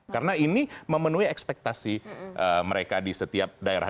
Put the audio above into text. karena ini memenuhi ekspektasi mereka di setiap daerah